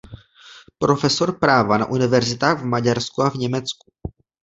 Profesor práva na univerzitách v Maďarsku a v Německu.